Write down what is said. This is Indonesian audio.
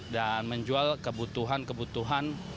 dan menjual kebutuhan kebutuhan